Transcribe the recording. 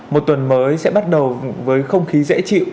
một tuần mới sẽ bắt đầu với không khí dễ chịu